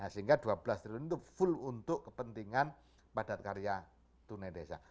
sehingga dua belas triliun itu full untuk kepentingan padat karya tunai desa